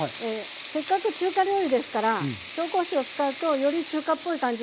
せっかく中華料理ですから紹興酒を使うとより中華っぽい感じになりますのでね。